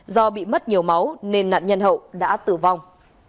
do bị mất nhiều máu nên nạn nhân hậu đã tử vong